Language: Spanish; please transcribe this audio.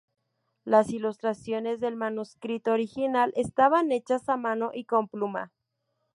Las ilustraciones del manuscrito original estaban hechas a mano y con pluma.